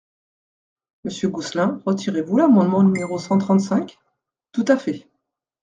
Monsieur Gosselin, retirez-vous l’amendement numéro cent trente-cinq ? Tout à fait.